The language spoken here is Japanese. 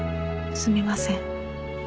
すみません。